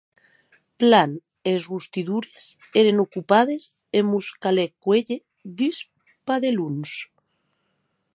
Plan, es rostidoires èren ocupades e mos calèc cuélher dus padelons.